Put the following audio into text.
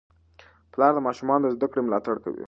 پلار د ماشومانو د زده کړې ملاتړ کوي.